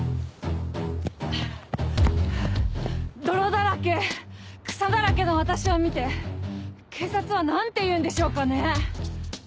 泥だらけ草だらけの私を見て警察は何て言うんでしょうかね。